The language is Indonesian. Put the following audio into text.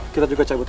kita juga cabut ya